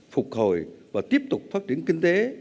phục hồi và tiếp tục phát triển kinh tế